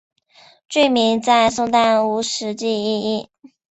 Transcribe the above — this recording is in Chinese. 郡名在宋代无实际意义。